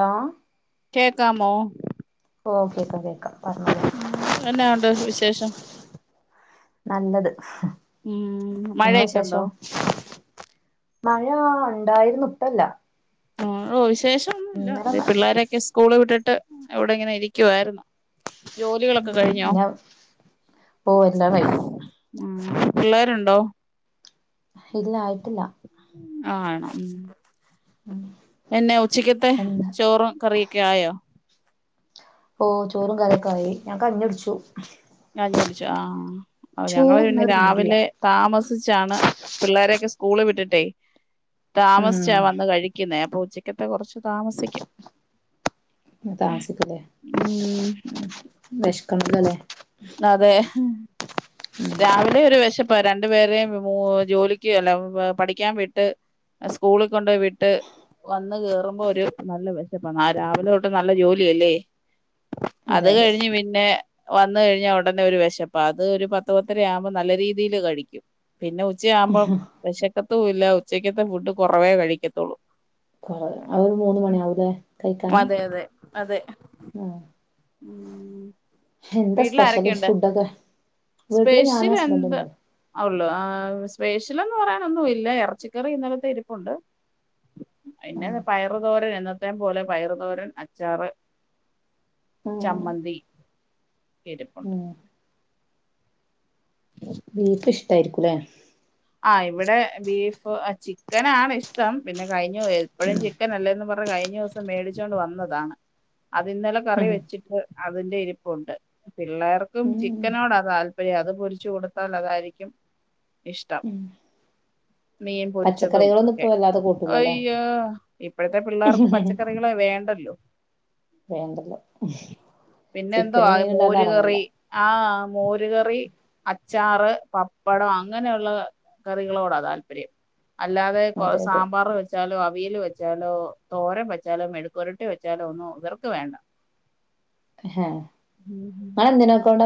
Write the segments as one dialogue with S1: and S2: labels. S1: Law
S2: കേക്കാമോ
S1: ഓ ക്കെക്ക കേക്ക പറഞ്ഞോള്
S2: ഉം എന്നാ ഉണ്ട് വിശേഷം
S1: നല്ലത്
S2: ഉം
S1: നിങ്ങള
S2: മഴയൊക്കെ ഉണ്ടോ
S1: വിശേഷം മഴ ഉണ്ടായിരുന്നു ഇപ്പോൾ ഇല്ല
S2: ആഹ് ഓ വിശേഷംഒന്നുമില്ല ഇത്
S1: ന
S2: പിള്ളോരൊക്കെ സ്കൂള് വിട്ടിട്ട് എവിടെ ഇങ്ങനെ ഇരിക്കുവായിരുന്ന് ജോലികളൊക്കെ
S1: ഉം
S2: കഴിഞ്ഞോ
S1: പിന്നെ ഓ എല്ലാം കഴിഞ്ഞു
S2: ഉ പിള്ളേരുണ്ടോ
S1: ഇല്ല ആയിട്ടില്ല
S2: ആണോ എന്നാ ഉച്ചക്കത്തെ
S1: എന്താ
S2: ചോറും കറി കായയോ
S1: ഓ ചോറും കറിയൊക്കെ ആയി ഞാൻ കഞ്ഞികുടിച്ചു
S2: കഞ്ഞികുടിച്ചോ ആഹ് ഞങ്ങള്
S1: ചോറ് തിന്നാൻ
S2: പിന്നെ
S1: ഒരു മൂടില്ല
S2: രാവിലെ താമസിച്ചാണ് പിള്ളോരെയൊക്കെ സ്കൂള് വിട്ടിട്ടേ
S1: ഉം
S2: താമസിച്ചാ വന്ന് കഴിക്കുന്നേ അപ്പൊ ഉച്ചക്കത്തെ കുറച്ച് താമസിക്കും
S1: താമസിക്കല്ലേ
S2: ഉം
S1: വിഷക്കംല്ലല്ലേ
S2: അതെ രാവിലെ ഒരു വിശപ്പ് ഇപ്പ രണ്ടു പേരേും ജോലിക്ക് അല്ല പഠിക്കാൻ വിട്ട് സ്കൂളിൽ കൊണ്ട്പോയി വിട്ട് വന്ന് കേറുമ്പോ ഒരു നല്ല വിശപ്പആണ് ആ രാവിലെ തൊട്ട് നല്ല ജോലിയല്ലേ
S1: അതെ
S2: അത്
S1: അതെ
S2: കഴിഞ്ഞ് പിന്നെ വന് കഴിഞ്ഞാൽ ഉടനെ ഒരു വിശപ്പ അത് ഒരു പത്ത് പത്തര ആവുമ്പോൾ നല്ല രീതിയിൽ കഴിക്കും പിന്നെ ഉച്ചയാവുമ്പോം വിശക്കത്തും ഇല്ല ഉച്ചക്കത്തെ ഫുഡ് കുറവേ കഴിക്കത്തുള്ളൂ
S1: കൊറ ആഹ ഒരു മൂന്ന് മണിയവുലെ കഴിക്കാന്
S2: അതെ അതെ അതെ
S1: ആഹ
S2: [unintelligible] വീട്ടിൽ
S1: സ്പെഷ്യല്
S2: ആരൊക്കെയുണ്ട്
S1: ഫുഡൊക്കെ വീട്ടില് ഞാനും
S2: സ്പെഷ്യൽ എന്താ
S1: ഹസ്ബൻഡന്നെ ഉള്ളു
S2: ഉള്ളു ആഹ് സ്പെഷ്യൽന്ന് പറയാനൊന്നും ഇല്ല ഇറച്ചിക്കറി ഇന്നലത്തെ ഇരിപ്പുണ്ട്
S1: ആഹ്
S2: പിന്നെ പയറു തോരൻ എന്നത്തേ പോലെ പയറു തോരൻ അച്ചാറ്
S1: ആഹ്
S2: ചമ്മന്തി ഇരിപ്പുണ്ട്
S1: ആഹ് ഇങ്ങക്ക് ഇഷ്ടായിരിക്കൂലേ
S2: ആഹ് ഇവിടെ ബീഫ് ചിക്കന ആണ് ഇഷ്ടം പിന്നെ കഴിഞ്ഞു പോ എപ്പോഴും
S1: ഉം
S2: ചിക്കൻ അല്ലേന്ന് പറഞ്ഞു കഴിഞ്ഞ ദിവസം മേടിച്ചോണ്ട് വന്നതാണ് അത് ഇന്നലെ കറി
S1: ഉം
S2: വെച്ചി അതിന്റെ ഇരിപ്പുണ്ട് പിള്ളേർക്കും
S1: ഉം
S2: ചിക്കനോട താല്പ അത് പൊരിച്ചു കൊടുത്താൽ അതായിരിക്കും ഇഷ്ടം
S1: ഉം
S2: മീൻ പൊരിച്ചതും
S1: പച്ചക്കറികളൊന്നും
S2: ഒക്കെ
S1: ഇപ്പോ വല്ലാതെ കൂട്ടൂലല്ലേ
S2: ഇയോ ഇപ്പോഴത്തെ പിള്ളേർക്ക് പച്ചക്കറികൾ വേണ്ടല്ലോ
S1: വേണ്ടല്ലോ
S2: പിന്നെ എന്തോ അ
S1: ചിക്കനും മീനും ഇല്ലാതെ
S2: മോര്
S1: എറങ്ങൂല
S2: കറി ആഹ മോരുകറി അച്ചാറ് പപ്പടം അങ്ങനെയുള്ളത് കറികളോടാ താല്പര്യം അല്ലാതെ കൊ
S1: അതെ അതെ
S2: സാമ്പാർ വെ വെച്ചാലോ അവിയൽ വെച്ചാലോ തോര വെച്ചാലോ മെടുക്കുരട്ടി വെച്ചാലോ ഒന്നും ഇവർക്ക് വേണ്ട [unintelligible]
S1: ഹ നിങ്ങെന്തിനൊക്കണ്ട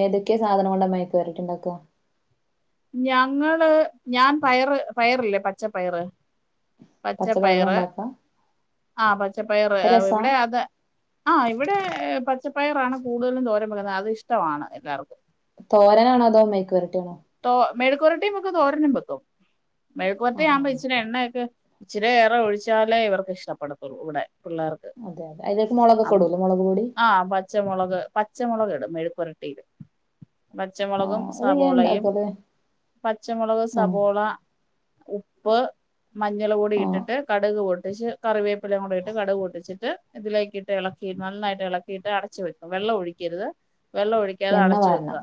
S1: ഏതൊക്കെ സാധനം കൊണ്ട മെഴുക്കുപുരട്ടി ഉണ്ടാക്കുക
S2: ഞങ്ങള്, ഞാൻ പയറ് പയറില്ലേ പച്ചപ്പയറ്?
S1: പച്ചപ്പയറ് കൊണ്ടാ ആക്കാ?
S2: ആഹ് പച്ചപ്പയർ. ഇവിടെ അത് ആഹ് ഇവിടെ പച്ചപ്പയറാണ് കൂടുതലും തോരം വക്കുന്നത്. അത് ഇഷ്ടമാണ് എല്ലാവർക്കും.
S1: തോരനാണോ അതോ മെഴുക്കു വരട്ടിയാണോ?
S2: തോ, മെഴുക്കുവരട്ടിയും വെക്കും തോരനും വെക്കും. മെഴുക്കുവരട്ടി
S1: ആഹ്
S2: ആവുമ്പോ ഇച്ചിരി
S1: ആഹ്
S2: എണ്ണയൊക്കെ ഇച്ചിരിയേറെ ഒഴിച്ചാലേ ഇവർക്ക് ഇഷ്ടപ്പെടത്തുള്ളൂ ഇവിടെ പിള്ളേർക്ക്.
S1: അതെ അതെ അതിലേക്ക് മുളകൊക്കെ ഇടൂല്ലെ, മുളക് പൊടി?
S2: ആഹ് പച്ചമുളക്, പച്ചമുളക് ഇടും മെഴുക്ക് വരട്ടിയില്. പച്ചമുളകും
S1: ആഹ് അതെങ്ങനെ
S2: സവോളയും
S1: ഇണ്ടാക്കല്
S2: പച്ചമുളക്
S1: ആഹ്
S2: സബോള ഉപ്പ് മഞ്ഞള് പൊടി
S1: ആഹ്
S2: ഇട്ടിട്ട് കടുക് പൊട്ടിച്ച് കറിവേപ്പിലേം കൂടി ഇട്ട് കടുക് പൊട്ടിച്ചിട്ട്, ഇതിലേക്കിട്ട് ഇളക്കി നന്നായിട്ട് ഇളക്കിയിട്ട് അടച്ചു വെക്കും. വെള്ളം ഒഴിക്കരുത്. വെള്ളം ഒഴിക്കാതെ
S1: എണ്ണ
S2: അടച്ചു
S1: വാരണം
S2: വെക്കുക.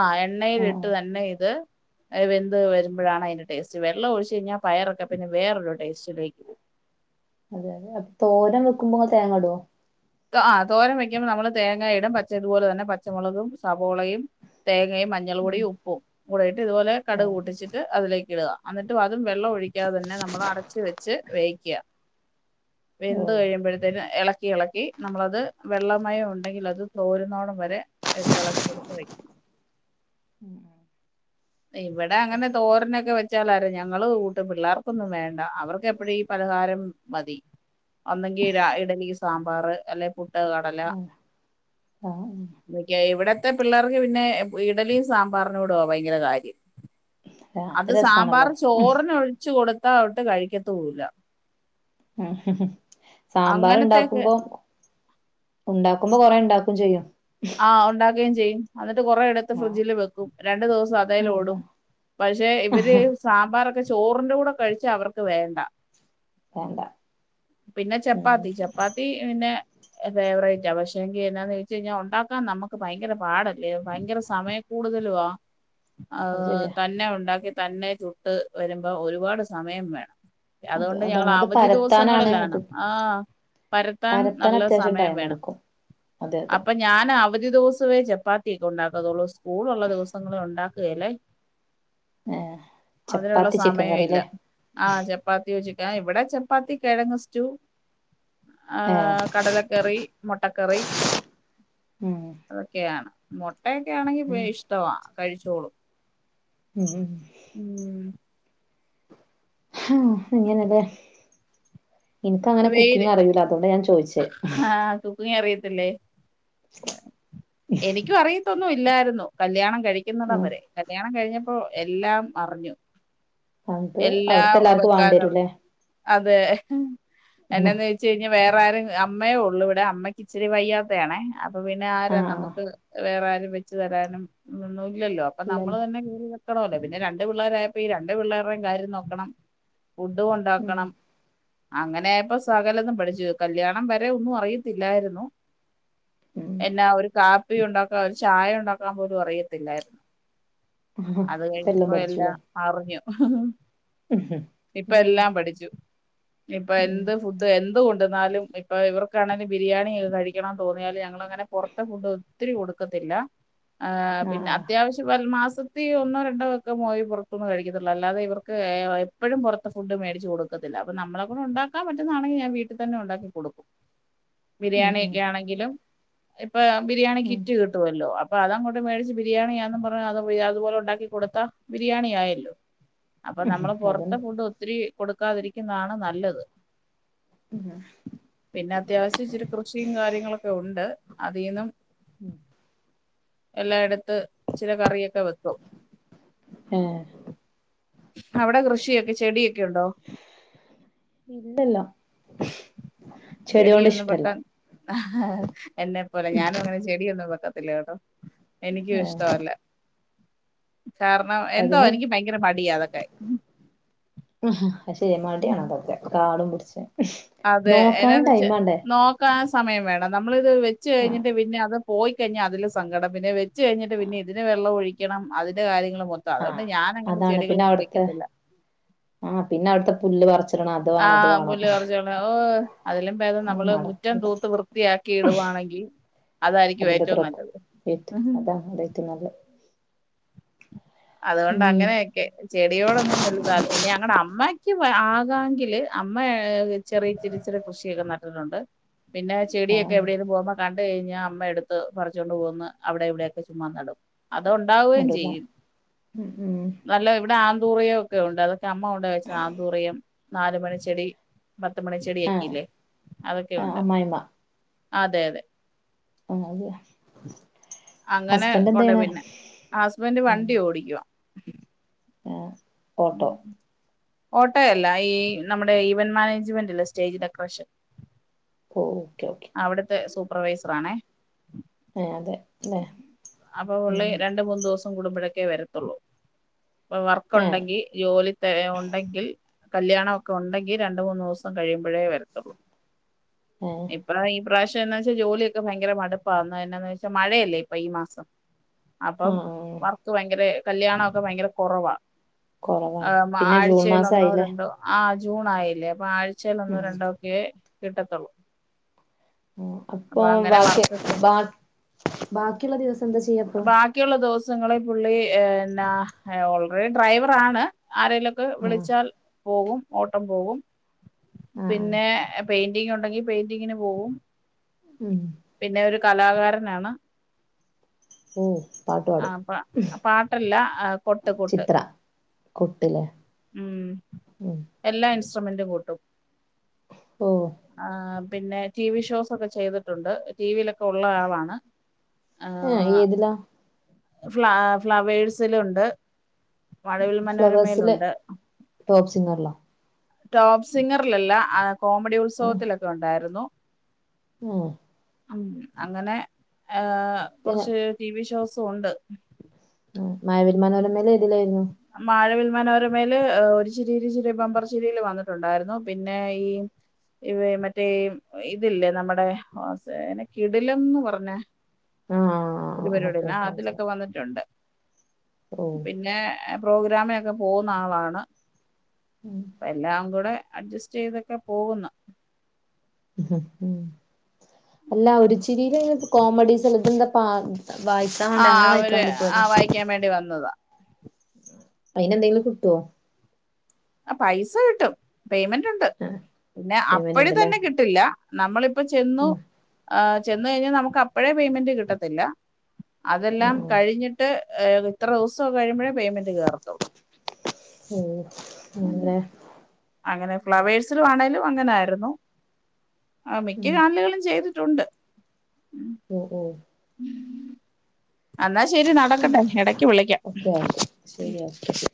S2: ആഹ് എണ്ണയിലിട്ട്
S1: ആഹ്
S2: തന്നെ ഇത് വെന്ത് വരുമ്പഴാണ് അതിന്റെ ടേസ്റ്റ്. വെള്ളം ഒഴിച്ച് കഴിഞ്ഞാൽ പയറൊക്കെ പിന്നെ വേറൊരു ടേസ്റ്റിലേക്ക് പോവും.
S1: അതെ അതെ. അഹ് തോരൻ വെക്കുമ്പോ തേങ്ങ ഇടുവോ?
S2: ആഹ് തോരൻ വെക്കുമ്പോ നമ്മള് തേങ്ങ ഇടും. പച്ച ഇതുപോലെ തന്നെ പച്ചമുളകും സവോളയും തേങ്ങയും മഞ്ഞൾ
S1: ഉം
S2: പൊടിയും ഉപ്പും കൂടെ ഇട്ട് ഇതുപോലെ കടുക്
S1: ആഹ്
S2: പൊട്ടിച്ചിട്ട് അതിലേക്ക് ഇടുക. എന്നിട്ട് അതും വെള്ളം ഒഴിക്കാതെ തന്നെ നമ്മൾ അടച്ച് വെച്ച് വേവിക്കുക. വെന്ത്
S1: ഓഹ്
S2: കഴിയുമ്പഴത്തേന് ഇളക്കി ഇളക്കി നമ്മളത് വെള്ളമയം ഉണ്ടെങ്കിൽ അത് തോരുന്നോളം വരെ ഇട്ട് ഇളക്കി എടുത്ത് വയ്ക്കണം.
S1: ഉം. ഉം
S2: ഇവടെ അങ്ങനെ
S1: ഓക്കെ ഓക്കെ
S2: തോരനൊക്കെ വെ ച്ചാലാര്, ഞങ്ങള് കൂട്ടും. പിള്ളേർക്കൊന്നും വേണ്ട. അവർക്കെപ്പഴും ഈ പലഹാരം മതി. ഒന്നെങ്കി രാ, ഇഡ്ഡലി, സാമ്പാർ. അല്ലെങ്കി പുട്ട് കടല
S1: ഉം ആഹ്
S2: ഒക്കെയാ. ഇവിടത്തെ പിള്ളേർക്ക് പിന്നെ ഇഡ്ഡലിയും സാമ്പാറിനോടുവാ ഭയങ്കര കാര്യം. അത്
S1: രാത്രി
S2: സാമ്പാർ
S1: രസാണല്ലോ
S2: ചോറിനൊഴിച്ചു കൊടുത്താ അതൊട്ട് കഴിക്കത്തു ഇല്ല.
S1: സാമ്പാർ
S2: അങ്ങനത്തെയൊക്കെ
S1: ഉണ്ടാക്കുമ്പോ ഉണ്ടാക്കുമ്പോ കൊറെ ഉണ്ടാക്കും ചെയ്യും.
S2: ആഹ് ഉണ്ടാക്കുകയും ചെയ്യും. എന്നിട്ട് കൊറെ എടു ത്ത്
S1: ആഹ്
S2: ഫ്രിഡ്ജില് വെക്കും. രണ്ടു ദിവസം
S1: അതാ
S2: അതേലോടും. പക്ഷെ ഇവര് സാമ്പാറൊക്കെ ചോറിന്റെ കൂടെ കഴിച്ചാ അവർക്ക് വേണ്ട.
S1: വേണ്ട
S2: പിന്നെ
S1: ഉം
S2: ചപ്പാത്തി, ചപ്പാ ത്തി പിന്നെ ഫേവറേറ്റാ. പക്ഷെങ്കി എന്നാന്ന് ചോദിച്ച് കഴിഞ്ഞാ ഉണ് ണ്ടാക്കാൻ നമുക്ക് ഭയങ്കര പാടല്ലേ ഭയങ്കര സമയക്കൂടുതലുവാ.
S1: അത്
S2: ഈഹ്
S1: ശരിയാ
S2: തന്നെ ഉണ്ടാക്കി തന്നെ ചുട്ട് വരുമ്പോ ഒരുപാട് സമയം വേണം.
S1: അത്
S2: അതുകൊണ്ട്
S1: അതാണ്
S2: ഞങ്ങള്
S1: അത്
S2: അവധി
S1: പരത്താനാണ്
S2: ദിവസങ്ങളിലാണ്.
S1: അത്
S2: ആഹ്. പരത്താൻ നല്ല സമയം വേണം.
S1: അതെയതെ.
S2: അപ്പൊ ഞാൻ അവധി ദിവസമേ ചപ്പാത്തിയൊക്കെ ഉണ്ടാക്കത്തുള്ളൂ. സ്കൂളുള്ള ദിവസങ്ങളിൽ ഉണ്ടാക്കുകേലേ.
S1: ഏഹ്
S2: അതിനുള്ള
S1: ചപ്പാത്തി ചിക്കൻ
S2: സമയം ഇല്ല.
S1: കറില്ലേ
S2: ആഹ് ചപ് പ്പാത്തിയൊ ചിക്കനോ. ഇവിടെ ചപ്പാത്തി കിഴങ്ങ്‌ സ്റ്റൂ,
S1: ഏഹ്
S2: ഈഹ് കടലക്കറി മുട്ടക്കറി
S1: ഉം.
S2: അതൊക്കെയാണ്. മുട്ടയൊക്കെ ആണെങ്കി
S1: ഉം
S2: ഇഷ്ടവാ. കഴിച്ചോളും.
S1: ഉം ഉം.
S2: ഉം
S1: ആ ഇങ്ങനെല്ലേ എനിക്ക്‌ അങ്ങനെ
S2: വെയില്
S1: കുക്കിങ് അറിയൂല്ല അതുകൊണ്ട് ഞാൻ ചോയിച്ചേ
S2: നീ അറിയത്തില്ലേ എനിക്കും അറിയത്തൊന്നും ഇല്ലായിരുന്നു കല്യാണം കഴി - ക്കുന്നടം
S1: ഉം
S2: വരെ കല്യാണം കഴിഞ്ഞപ്പോ എല്ലാം അറിഞ്ഞു
S1: അത്
S2: എല്ലാം
S1: അവിടുത്തെ എല്ലാർക്കും വേണ്ടി
S2: വെക്കാനുള്ള
S1: വരൂല്ലേ
S2: അതെ എന്നാന്ന്- വെച്ച് കഴിഞാ വേറെ ആരും അമ്മയേ ഉള്ളൂ ഇവിടെ അമ്മയ്ക്ക് ഇച്ചിരി വയ്യാത്ത ആണേ അപ്പൊ പിന്നെ ആരാ
S1: ആഹ് ആഹ്
S2: നമുക്ക്- വേറെ ആരും വെച്ചു തരാനും ഒന്നും ഇല്ലല്ലോ അപ്പൊ നമ്മള്
S1: ഇല്ലല്ലോ
S2: തന്നെ കയറി വെക്കണല്ലോ പിന്നെ രണ്ട് പിള്ളേരായപ്പോ ഈ രണ്ട് പിള്ളേരുടെയും കാര്യം നോക്കണം ഫുഡും
S1: ഉം
S2: ഒണ്ടാക്കണം അങ്ങനെയായപ്പോ സകലതും പഠിച്ചു കല്യാണം വരെ ഒന്നും അറിയത്തില്ലായിരുന്നു
S1: ഉം
S2: എന്നാ ഒരു കാപ്പി ഉണ്ടാക്കാൻ ഒരു ചായ ഉണ്ടാക്കാൻ പോലും അറിയത്തില്ലായിരുന്നു
S1: ആഹ്
S2: അത്
S1: ഇപ്പെല്ലാം
S2: കഴിഞ്ഞപ്പോ
S1: പഠിച്ചുല്ലേ
S2: എല്ലാം അറിഞ്ഞു ഇപ്പ
S1: ഉം
S2: എല്ലാം പഠിച്ചു ഇനി ഇപ്പൊ
S1: ഉം
S2: എന്ത് ഫുഡ് - എന്തുകൊണ്ടു വന്നാലും ഇപ്പ ഇവർക്കാണെലും ബിരിയാണി കഴിക്കണന്ന് തോന്നിയാല് ഞങ്ങള് അങ്ങനെ പൊറത്ത് - റത്തെ ഫുഡ് ഒത്തിരി കൊടുക്കത്തില്ല
S1: ആഹ്
S2: പിന്നെ
S1: ആഹ്
S2: അത്യാവശ്യം മാസം- ത്തി ഒന്നോ രണ്ടോ വെട്ടം പോയി പൊറത്തൊന്നും കഴിക്കത്തുള്ളൂ അല്ലാതെ ഇവക്ക് എപ്പോഴും പൊറത്തെ ഫുഡ് മേടിച്ച് കൊടുക്കത്തില്ല അപ്പ നമ്മളെ കൊണ്ട് ഒണ്ടാക്കൻ പറ്റുന്നതാണെങ്കി ഞാൻ വീട്ടിൽ തന്നെ ഒണ്ടാക്കി കൊടുക്കും
S1: ഉം
S2: ബിരിയാണി
S1: ഉം
S2: ഒക്കെ ആണെങ്കിലും ഇപ്പൊ ബിരിയാണി
S1: ഉം
S2: കിറ്റ് കിട്ടും കിട്ടുമല്ലോ അപ്പൊ അതങ്ങോട്ട് മേടിച്ച് ബിരിയാണിയാണെന്നും പറഞ്ഞാ അതുപോലെ ഒണ്ടാക്കി കൊടുത്താ ബിരിയാണി ആയല്ലോ അപ്പൊ നമ്മള് പൊറത്തെ
S1: അതുണ്ട്
S2: ഫുഡ് ഒത്തിരി കൊടുക്കാതിരിക്കുന്നതാണ് നല്ലത്
S1: ഉം
S2: പിന്നെ അത്യാവശ്യം ഇച്ചിരി കൃഷിയും കാര്യങ്ങളൊക്കെ ഒണ്ട് അതിന്നും-
S1: ഉം
S2: എല്ലാം എടുത്ത് ഇച്ചിരെ കറിയൊക്കെ വെക്കും
S1: ഏയെ
S2: അവിടെ കൃഷിയൊക്കെ ചെടിയൊക്കെ ഒണ്ടോ
S1: ഇല്ല ഇല്ല
S2: ചെടിയൊന്നും വെക്കാൻ എന്നെ പോലെ ഞാനും അങ്ങനെ ചെടിയൊന്നും വെക്കത്തില്ല കേട്ടോ എനിക്കും
S1: ഏഹ്
S2: ഇഷ്ടമല്ല കാരണം എന്തോ
S1: അതിന്
S2: എനിക്ക് ഭയങ്കര മടിയാ അതൊക്കെ
S1: അത് ശരിയാ മടിയാണ് അതൊക്കെ കാടും പിടിച്ച്
S2: അതെ
S1: നോക്കാനും
S2: എന്നാന്ന് വെച്ചാ
S1: ടൈമ് വേണ്ടെ
S2: നോക്കാൻ സമയം വേണം നമ്മളിത് വെച്ച്
S1: ആഹ്
S2: കഴിഞ്ഞിട്ട് പിന്നെ അത്- പോയിക്കഴിഞ്ഞാൽ അതില് സങ്കടം പിന്നെ വെച്ച് കഴിഞ്ഞിട്ട് പിന്നെ ഇതിന് വെള്ളം ഒഴിക്കണം അതിന്റെ കാര്യങ്ങളും മൊ - അതുകൊണ്ട്
S1: ആഹ്
S2: ഞാനങ്ങെനെ ചെടികളൊന്നും വെക്കത്തില്ല
S1: ആ പിന്നെ അവിടത്തെ പുല്ല് പറിച്ച് -
S2: ആഹ് പുല്ല് പറിച്ചോണ്ട് ഓ അതിലും ഭേതം
S1: അതൊന്നും
S2: നമ്മള് മുറ്റം
S1: നടക്കൂല
S2: തൂത്ത് വൃ - വൃത്തിയാക്കി ഇടുവാണെങ്കിൽ അതായിരിക്കും
S1: അതിന്റെ
S2: ഏറ്റവും നല്ലത്
S1: ഇതിനന്നല്ലേ [unintelligible]
S2: അതുകൊണ്ട്
S1: ഉം
S2: അങ്ങനെ- എനിക്ക് ചെടിയോടൊന്നും വല്ലിയ താൽപ്പര്യം ഇല്ല പിന്നെ ഞങ്ങടെ അമ്മയ്ക്ക് ആകാകില് അമ്മ- ചെറിയ ഇച്ചിരെ ഇച്ചിരെ കൃഷിയൊക്കെ നട്ടിട്ടുണ്ട് പിന്നെ- ചെടിയൊക്കെ
S1: ആഹ്
S2: എവിടെലും പോവുമ്പോ കണ്ട് കഴിഞ്ഞാ അമ്മ എടുത്ത് പറിച്ചുകൊണ്ട് പോന്ന് അവിടെ ഇവിടെയൊക്കെ ചുമ്മാ നടും. അത് ഉണ്ടാവുകയും
S1: നടൂല
S2: ചെയ്യും.
S1: ഉം ഉം
S2: നല്ലത് ഇവിടെ ആന്തൂറിയം ഒക്കെ ഒണ്ട് അതൊക്കെ അമ്മ കൊണ്ട് വെച്ചതാ ആന്തൂറിയം നാല് മണിച്ചെടി. പത്ത് മണി
S1: ആഹ്
S2: ചെടിയൊക്കില്ലേ അതൊക്കെ ഒണ്ട്
S1: അമ്മായിമ്മ
S2: അതെ അതെ.
S1: [unintelligible]
S2: അങ്ങനെ
S1: ഹസ്ബൻഡ് എന്ത്
S2: കൊണ്ട് പോയി
S1: ചെയ്യണ്
S2: പിന്നെ, ഹസ്ബൻഡ് വണ്ടി ഓടിക്കുവാ.
S1: ഏഹ് ഓട്ടോ.
S2: ഓട്ടോയല്ല ഈ നമ്മുടെ ഈവന്റ് മാനേജ്മെന്റില്ലേ സ്റ്റേജ് ഡെക്കറേഷൻ.
S1: ഓഹ് ഓക്കെ ഓക്കെ.
S2: അവിടുത്തെ സൂപ്പർവൈസറാണേ.
S1: ആഹ് അതെ അല്ലെ
S2: അപ്പൊ പുള്ളി
S1: ഉം
S2: രണ്ട് മൂന്ന് ദിവസം കൂടുമ്പോഴൊക്കെ വരതൊള്ളൂ. അപ്പൊ വർക്
S1: ആഹ്
S2: ഉണ്ടെങ്കിൽ ജോലി ഉണ്ടെങ്കിൽ കല്യാണം ഒക്കെ ഉണ്ടെങ്കിൽ രണ്ട് മൂന്ന് ദിവസം കഴിയുമ്പഴേ വരതൊള്ളൂ.
S1: ഏഹ്
S2: അപ്പൊ ഈ പ്രാവശ്യം എന്നാ വെച്ചാൽ ജോലിയൊക്കെ ഭയങ്കര മടുപ്പാണ്, എന്താന്ന് വെച്ചാൽ മഴയല്ലേ ഇപ്പൊ ഈ മാസം. അപ്പൊ
S1: ആഹ്
S2: വർക്ക് ഭയങ്കര കല്യാണൊക്കെ ഭയങ്കര കൊറവാ.
S1: കൊറവാണ്
S2: ഏഹ്
S1: പിന്നെ ജൂൺ
S2: ആഴ്ചയിൽ
S1: മാസം ആയില്ലേ
S2: ഒന്നോരണ്ടോ. ആഹ് ജൂൺ ആയില്ലേ, അപ്പൊ ആഴ്ചയിലൊന്നോ
S1: ഉം
S2: രണ്ടോ ഒക്കെ കിട്ടത്തൊള്ളൂ.
S1: അപ്പൊ
S2: അങ്ങനെ
S1: ബാക്കി
S2: വർക്ക്
S1: ബാ
S2: കുറവ്
S1: ബാക്കിയുള്ള ദിവസം എന്താ ചെയ്യ അപ്പൊ?
S2: ബാക്കിയുള്ള ദിവസങ്ങളിൽ പുള്ളി ഏഹ് എന്നാ, ഓൾറെഡി ഡ്രൈവർ ആണ് ആരെലും
S1: ആഹ്
S2: വിളിച്ചാൽ പോകും ഓട്ടം പോകും,
S1: ആഹ് ആഹ്
S2: പിന്നെ പെയിന്റിങ്ങുണ്ടെങ്കി പെയിന്റിങ്ങിന് പോകും.
S1: ഉം
S2: പിന്നെ ഒരു കലാകാരനാണ്.
S1: ഉം.
S2: ആഹ് പ പാട്ടല്ല ഏഹ് കൊട്ട് കൊട്ട്.
S1: കൊട്ട് ലേ.
S2: ഉം, എല്ലാ ഇൻസ്ട്ട്രുമെന്റും കൊട്ടും.
S1: ഓഹ്.
S2: ആഹ്, പിന്നെ ടി വി ഷോസ് ഒക്കെ ചെയ്തിട്ടുണ്ട് ടിവിയിലൊക്കെ ഉള്ള ആളാണ്.
S1: ആഹ് ഏതിലാ?
S2: ഫ്ലാ ഫ്ലവേഴ്സിലുണ്ട്. മഴവിൽ
S1: ഫ്ലവേഴ്സില്
S2: മനോരമയിലുണ്ട്
S1: ടോപ് സിംഗറിലോ?
S2: ടോപ്പ് സിംഗറിലല്ല ആ കോമഡി ഉത്സവത്തിലൊക്കെ ഉണ്ടായിരുന്നു.
S1: ഉം.
S2: ഉം അങ്ങനെ ഏഹ്
S1: പിന്നെ
S2: കുറച്ച് ടിവി ഷോസും ഉണ്ട്.
S1: മഴവിൽ മനോരമയിലേതിലായിരുന്നു?
S2: മഴവിൽ മനോരമയിൽ ഒരു ചിരി ഇരു ചിരി ബമ്പർച്ചിരിയിൽ വന്നിട്ടുണ്ടായിരുന്നു, പിന്നെ ഈ ഇവ മറ്റേ ഇതില്ലേ നമ്മുടെ [unintelligible] കിടിലംന്ന് പറഞ്ഞ
S1: ആഹ്.
S2: ഒരു
S1: ഓക്കെ
S2: പരിപാടില്ലെ, ആഹ്
S1: ഓക്കെ
S2: അതിലൊക്കെ
S1: മനസ്സിലായി
S2: വന്നിട്ടുണ്ട്
S1: ഓഹ്
S2: പിന്നെ പ്രോഗ്രാമിനൊക്കെ പോകുന്ന ആളാണ്.
S1: ഉം
S2: അപ്പ എല്ലാം കൂടെ അഡ്ജസ്റ്റ് ചെയ്തൊക്കെ പോകുന്നു.
S1: ഹ്ം ഹ്ം അല്ല ഒരു ചിരിയില് കോമഡീസല്ലേ ഇത് എന്താ വായിക്കാണ്ട് അങ്ങനെ വായിക്കാണ്ടിപ്പോയതാ.
S2: ക്കാൻ വേണ്ടി വന്നതാ.
S1: അയിനെ എന്തെങ്കിലും കിട്ടോ?
S2: ആഹ് പൈസ കിട്ടും പേയ്മെന്റ് ഉണ്ട്.
S1: ആഹ്
S2: പിന്നെ
S1: പേയ്മെന്റ്
S2: അപ്പഴ്
S1: ഉണ്ടല്ലേ
S2: തന്നെ കിട്ടില്ല നമ്മളിപ്പൊ ചെന്നു.
S1: ഉം
S2: ആ ചെന്ന് കഴിഞ്ഞാ നമുക്ക് അപ്പഴേ പേയ്മെന്റ് കിട്ടത്തില്ല. അതെല്ലാം
S1: ആഹ്
S2: കഴിഞ്ഞിട്ട്. ഏഹ്, ഇത്ര ദിവസം കഴിയുമ്പഴേ പേയ്മെന്റ് കയറത്തൊള്ളൂ.
S1: ഉം ആണ്
S2: ഉം
S1: ലേ.
S2: അങ്ങനെ ഫ്ലവേഴ്സിൽ വേണെലും അങ്ങനെ ആരുന്നു. മിക്ക
S1: ഉം
S2: ചാനലുകളിലും ചെയ്തു. റ്റുണ്ട്. ഉം
S1: ഉ, ഉ.
S2: എന്നാ ശെരി നടക്കട്ടെ, എടക്ക് വിളിക്കാം.
S1: ശരിയാ [unintelligible]